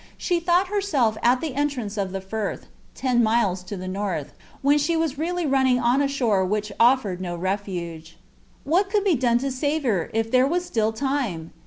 She thought herself at the entrance of the Firth, ten miles to the north, when she was really running on a shore which offered no refuge. What could be done to save her, if there was still time?